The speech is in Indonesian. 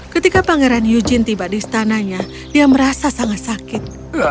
ketika pangeran yujin tiba di istananya dia merasa sangat sakit